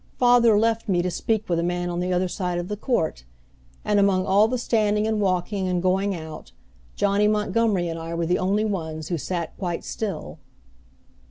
Father left me to speak with a man on the other side of the court; and, among all the standing and walking and going out, Johnny Montgomery and I were the only ones who sat quite still.